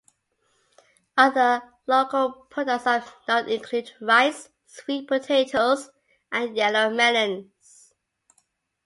Other local products of note include rice, sweet potatoes, and yellow melons.